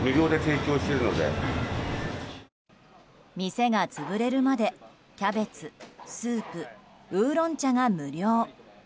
店が潰れるまでキャベツ、スープ、ウーロン茶が無料。